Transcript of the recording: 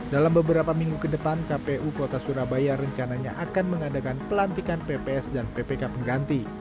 dalam beberapa minggu ke depan kpu kota surabaya rencananya akan mengadakan pelantikan pps dan ppk pengganti